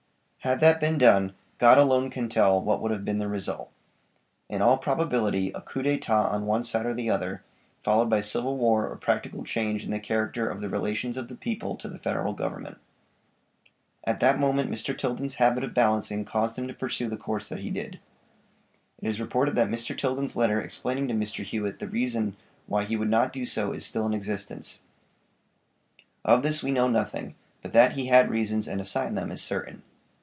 Had that been done God alone can tell what would have been the result. In all probability a coup d'etat on one side or the other, followed by civil war or practical change in the character of the relations of the people to the Federal Government. At that moment Mr. Tilden's habit of balancing caused him to pursue the course that he did. It is reported that Mr. Tilden's letter explaining to Mr. Hewitt the reason why he would not do so is still in existence. Of this we know nothing; but that he had reasons and assigned them is certain.